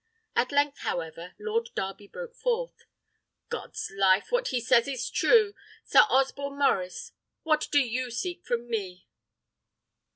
At length, however, Lord Darby broke forth, "God's life, what he says is true! Sir Osborne Maurice, what do you seek of me?"